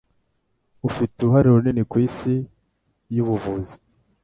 Afite uruhare runini kwisi yubuvuzi.